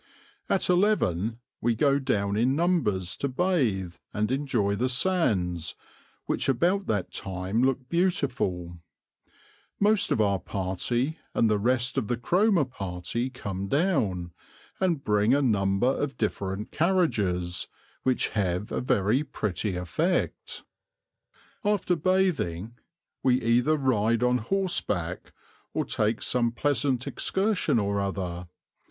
At eleven we go down in numbers to bathe and enjoy the sands, which about that time look beautiful: most of our party and the rest of the Cromer party come down, and bring a number of different carriages, which have a very pretty effect. After bathing, we either ride on horseback or take some pleasant excursion or other.